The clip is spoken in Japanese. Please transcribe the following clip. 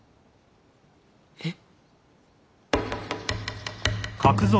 えっ？